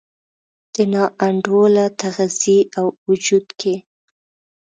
د نا انډوله تغذیې او وجود کې